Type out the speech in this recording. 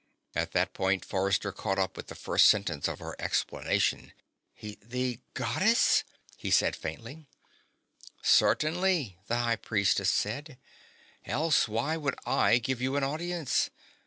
At that point Forrester caught up with the first sentence of her explanation. "The the Goddess?" he said faintly. "Certainly," the High Priestess said. "Else why would I give you audience?